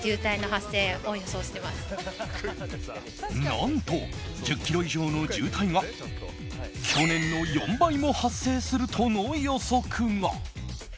何と１０ｋｍ以上の渋滞が去年の４倍も発生するとの予測が。